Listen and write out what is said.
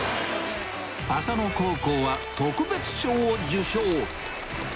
浅野高校は特別賞を受賞。